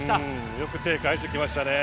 よく手返してきましたね。